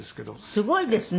すごいですね。